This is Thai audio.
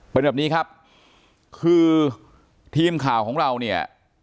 เป็นแบบนี้ครับคือทีมข่าวของเราเนี่ย